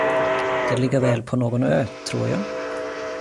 Det ligger väl på någon ö, tror jag?